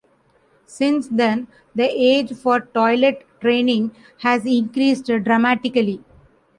Since then, the age for toilet training has increased dramatically.